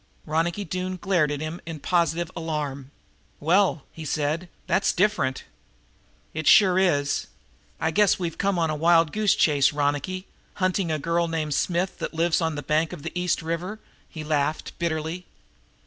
Ronicky Doone glared at him in positive alarm. "Well," he said, "that's different." "It sure is. I guess we've come on a wild goose chase, Ronicky, hunting for a girl named Smith that lives on the bank of the East River!" He laughed bitterly.